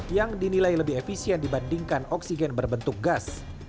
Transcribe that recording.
yang dinilai lebih efisien dibandingkan oksigen berbentuk gas